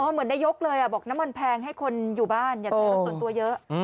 เหมือนนายกเลยบอกน้ำมันแพงให้คนอยู่บ้านอย่าใช้รถส่วนตัวเยอะ